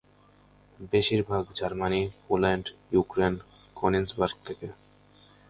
বেশিরভাগ Germany, Poland, Ukraine, Konigsberg থেকে।